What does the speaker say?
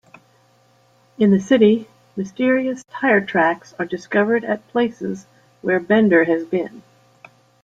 In the city, mysterious tire tracks are discovered at places where Bender has been.